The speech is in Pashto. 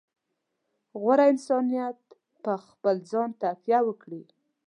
غوره انسانیت په خپل ځان تکیه وکړي.